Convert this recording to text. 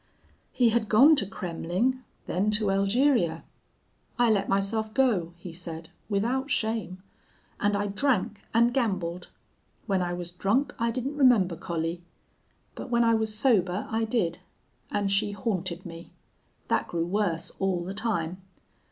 He had gone to Kremmling, then to Elgeria. "'I let myself go,' he said, without shame, 'and I drank and gambled. When I was drunk I didn't remember Collie. But when I was sober I did. And she haunted me. That grew worse all the time.